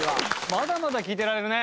まだまだ聴いてられるね。